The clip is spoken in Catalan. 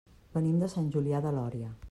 Venim de Sant Julià de Lòria.